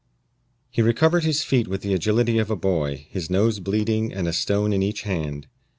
He recovered his feet with the agility of a boy, his nose bleeding and a stone in each hand.